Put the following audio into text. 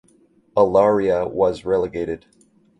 Olaria was relegated.